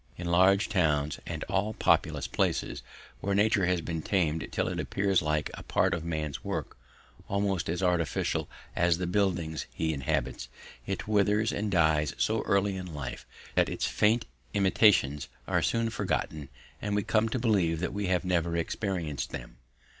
In large towns and all populous places, where nature has been tamed until it appears like a part of man's work, almost as artificial as the buildings he inhabits, it withers and dies so early in life that its faint intimations are soon forgotten and we come to believe that we have never experienced them.